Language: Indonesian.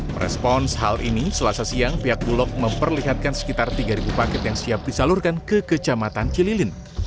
pada saat ini selasa siang pihak bulog memperlihatkan sekitar tiga paket yang siap diseluruhkan ke kecamatan kililin